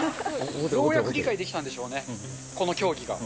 ようやく理解できたんでしょうね、この競技が。